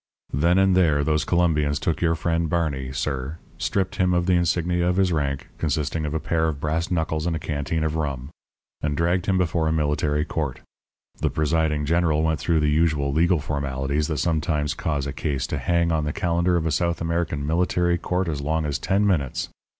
"Then and there those Colombians took your friend Barney, sir, stripped him of the insignia of his rank, consisting of a pair of brass knuckles and a canteen of rum, and dragged him before a military court. The presiding general went through the usual legal formalities that sometimes cause a case to hang on the calendar of a South American military court as long as ten minutes.